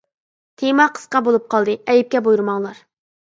تېما قىسقا بولۇپ قالدى، ئەيىبكە بۇيرۇماڭلار!